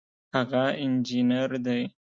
هغه انجینر دی